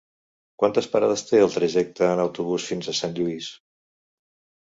Quantes parades té el trajecte en autobús fins a Sant Lluís?